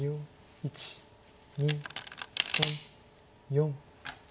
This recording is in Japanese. １２３４。